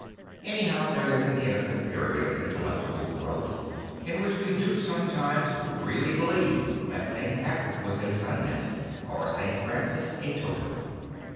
Anyhow there is an innocent period of intellectual growth in which we do sometimes really believe that St. Patrick was a Sun Myth or St. Francis a Totem.